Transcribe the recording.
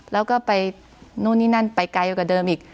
เราก็ไปนู่นนี่นั่นไปไกลแล้วกับเดิมอีก